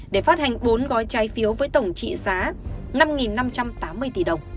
để phát hành bốn gói trái phiếu với tổng trị giá năm năm trăm tám mươi tỷ đồng